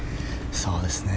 そうですね。